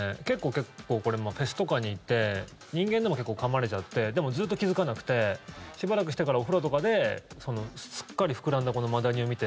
結構、これフェスとかに行って人間でも結構かまれちゃってでも、ずっと気付かなくてしばらくしてからお風呂とかですっかり膨らんだマダニを見て。